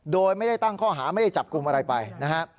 โดยไม่ได้ตั้งข้อหาไม่ได้จับกลุ่มอะไรไปนะฮะ